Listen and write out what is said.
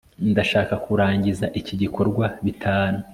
ndashaka kurangiza iki gikorwa bitanu